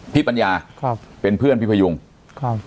ปัญญาครับเป็นเพื่อนพี่พยุงครับ